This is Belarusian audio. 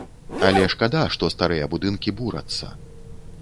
Але шкада, што старыя будынкі бурацца.